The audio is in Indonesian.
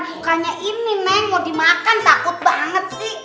bukannya ini neng mau dimakan takut banget sih